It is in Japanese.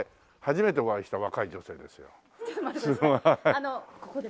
あのここで？